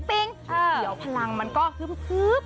เดี๋ยวพลังมันก็ฮึบ